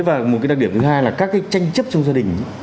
và một cái đặc điểm thứ hai là các cái tranh chấp trong gia đình